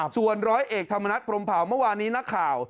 ส่วนร้อยเอกธรรมนัฐพรมเผาเมื่อวานนี้นักข่าว